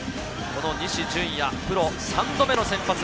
西純矢、プロ３度目の先発。